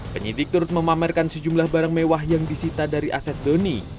penyidik turut memamerkan sejumlah barang mewah yang disita dari aset doni